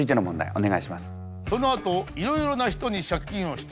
お願いします。